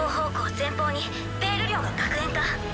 前方にペイル寮の学園艦。